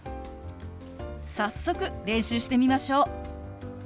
早速練習してみましょう。